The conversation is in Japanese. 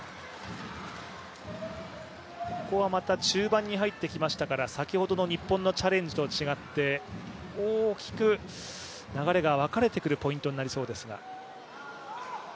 ここはまた中盤に入ってきましたから、先ほどの日本のチャレンジと違って大きく流れが分かれてくるポイントになりそうですが。